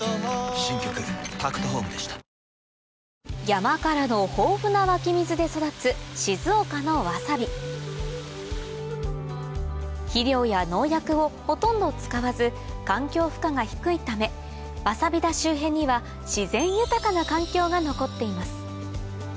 山からの豊富な湧き水で育つ静岡のわさび肥料や農薬をほとんど使わず環境負荷が低いためわさび田周辺には自然豊かな環境が残っています